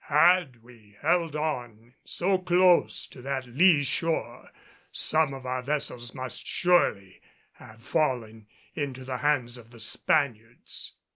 Had we held on so close to that lee shore some of our vessels must surely have fallen into the hands of the Spaniards.